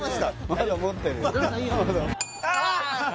まだ持ってるよ